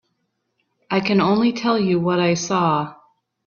I can only tell you what I saw.